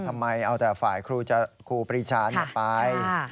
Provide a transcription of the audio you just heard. ทำไมเอาแต่ฝ่ายครูปรีชาไป